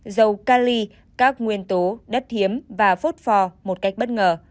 dầu kali các nguyên tố đất hiếm và phốt pho một cách bất ngờ